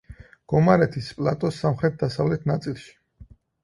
გომარეთის პლატოს სამხრეთ-დასავლეთ ნაწილში.